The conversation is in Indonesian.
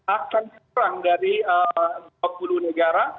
akan kurang dari dua puluh negara